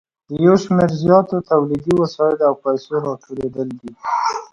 د یو شمېر زیاتو تولیدي وسایلو او پیسو راټولېدل دي